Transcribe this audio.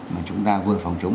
mà chúng ta vừa phòng chống